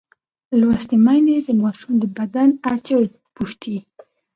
لوستې میندې د ماشوم د بدن اړتیاوې پوښتي.